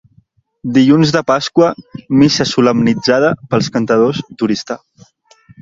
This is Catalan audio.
Dilluns de Pasqua: missa solemnitzada pels cantadors d'Oristà.